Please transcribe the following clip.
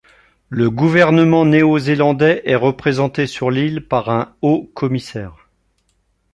Le gouvernement néo-zélandais est représenté sur l'île par un haut-commissaire.